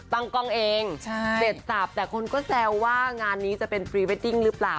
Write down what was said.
ตั้งกล้องเองเสร็จสับแต่คนก็แซวว่างานนี้จะเป็นพรีเวดดิ้งหรือเปล่า